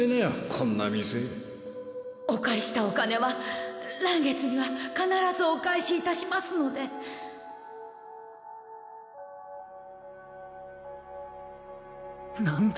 こんな店お借りしたお金は来月には必ずお返しいたしますのでなんだ